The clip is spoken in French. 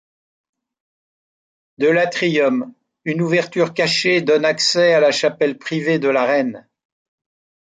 De l’atrium, une ouverture cachée donne accès à la chapelle privée de la Reine.